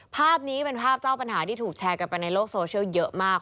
ภาพนี้เป็นภาพเจ้าปัญหาที่ถูกแชร์กันไปในโลกโซเชียลเยอะมาก